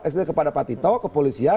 eksplosif kepada pak tito ke polisian